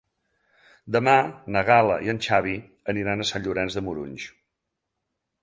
Demà na Gal·la i en Xavi aniran a Sant Llorenç de Morunys.